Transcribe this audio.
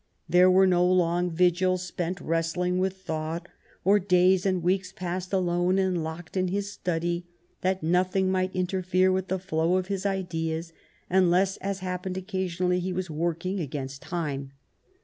There were no long vigils spent wrest ling with thought, or days and weeks passed alone and locked in his study that nothing might interfere with the flow of ideas, unless, as happened occasionally, he was working against time.